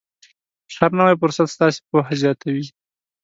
هر نوی فرصت ستاسې پوهه زیاتوي.